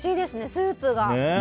スープが。